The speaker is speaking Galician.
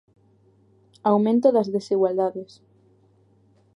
Aumento das desigualdades.